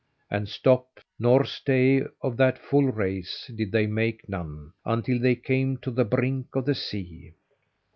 And stop nor stay of that full race, did they make none, until they came to the brink of the sea.